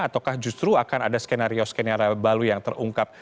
ataukah justru akan ada skenario skenario baru yang terungkap